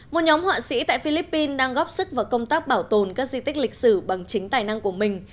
một nhóm họa sĩ tại philippines đang góp sức vào công tác bảo tồn các di tích lịch sử bằng chính tài năng của mình